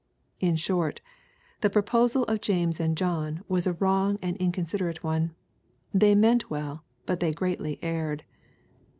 In short, th« proposal of James and John was a wrong and inconsid erate one. They meant well, but they greatly erred.